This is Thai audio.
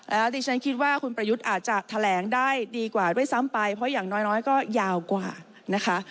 แล้วดิฉันคิดว่าคุณประยุทธ์อาจจะแถลงได้ดีกว่าด้วยซ้ำไปเพราะอย่างน้อยก็ยาวกว่านะคะ